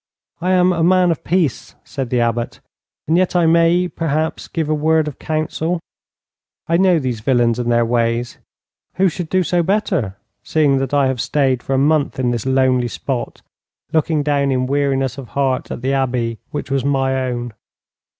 'I am a man of peace,' said the Abbot, 'and yet I may, perhaps, give a word of counsel. I know these villains and their ways. Who should do so better, seeing that I have stayed for a month in this lonely spot, looking down in weariness of heart at the Abbey which was my own?